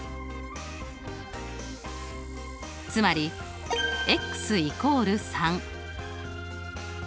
つまり＝３。